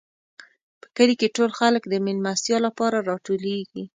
په کلي کې ټول خلک د مېلمستیا لپاره راټولېږي.